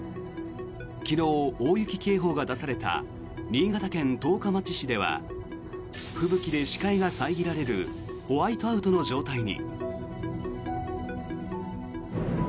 昨日、大雪警報が出された新潟県十日町市では吹雪で視界が遮られるホワイトアウトの状態に。